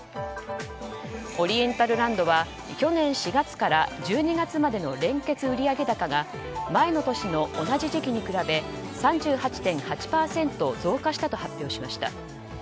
オリエンタルランドは去年４月から１２月までの連結売上高が、前の年の同じ時期に比べ３８．８％増加したと発表しました。